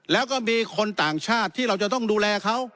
แล้วก็มีคนต่างชาติที่เราจะต้องดูแลเขา